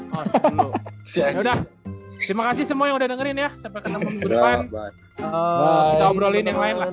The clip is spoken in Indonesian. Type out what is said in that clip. harus itu sudah terima kasih semua yang udah dengerin ya sampai ketemu ke depan obrolin